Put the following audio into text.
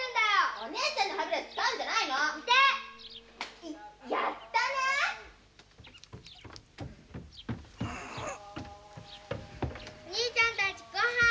・・おにいちゃんたちごはん！